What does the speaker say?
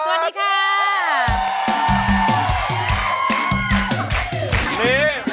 สวัสดีครับ